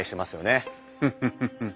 フフフフッ。